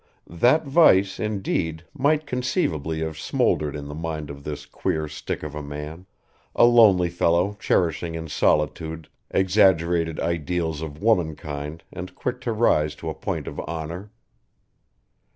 That vice, indeed, might conceivably have smouldered in the mind of this queer stick of a man, a lonely fellow cherishing in solitude exaggerated ideals of womankind and quick to rise to a point of honour.